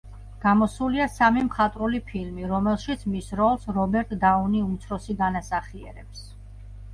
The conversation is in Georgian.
გამოსულია სამი მხატვრული ფილმი, რომელშიც მის როლს რობერტ დაუნი უმცროსი განასახიერებს.